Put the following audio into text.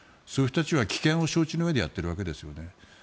そういう人たちは危険を覚悟でやっているわけですよね。